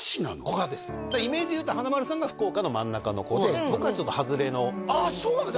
古賀ですイメージでいうと華丸さんが福岡の真ん中の方で僕はちょっと外れのああそうなんだ